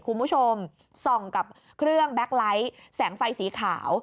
คุณผู้ชมส่องกับเครื่องแก๊กไลท์แสงไฟสีขาว